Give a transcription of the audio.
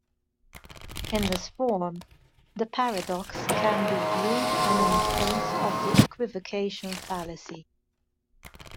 In this form, the paradox can be viewed an instance of the equivocation fallacy.